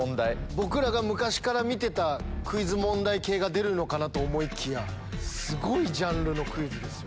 僕らが昔から見てたクイズ問題系が出るのかなと思いきやすごいジャンルのクイズですよ。